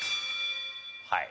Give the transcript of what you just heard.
はい。